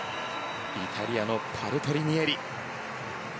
イタリアのパルトリニエリ。